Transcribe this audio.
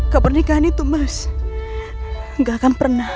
kebernikahan itu mas gak akan pernah